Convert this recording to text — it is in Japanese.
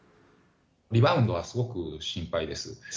リバウンドはすごく心配です。